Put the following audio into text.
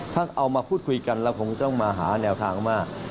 ถ้าเอามาพูดคุยกันแล้วผมก็ไว้มาหาแนวทางมา